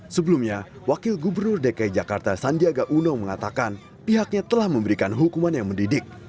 sebelumnya wakil gubernur dki jakarta sandiaga uno mengatakan pihaknya telah memberikan hukuman yang mendidik